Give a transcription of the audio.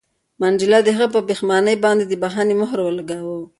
منډېلا د هغه په پښېمانۍ باندې د بښنې مهر ولګاوه.